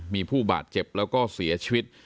มีผู้บาดเจ็บแล้วก็เสียชีวิต